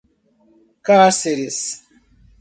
Cáceres